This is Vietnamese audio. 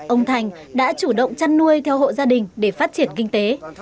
ông thành đã chủ động chăn nuôi theo hộ gia đình để phát triển kinh tế